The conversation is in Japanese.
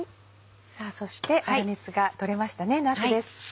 さぁそして粗熱が取れましたねなすです。